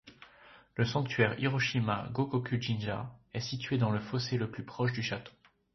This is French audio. Le sanctuaire Hiroshima Gokoku-jinja est situé dans le fossé le plus proche du château.